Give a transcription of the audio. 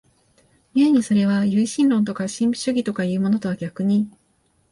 故にそれは唯心論とか神秘主義とかいうものとは逆に、